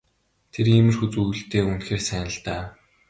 Тэр иймэрхүү зүйлдээ үнэхээр сайн л даа.